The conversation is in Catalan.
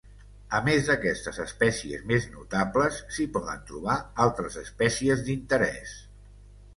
A més d'aquestes espècies més notables, s'hi poden trobar altres espècies d'interés.